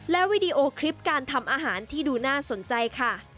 วีดีโอคลิปการทำอาหารที่ดูน่าสนใจค่ะ